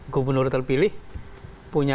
gubernur terpilih punya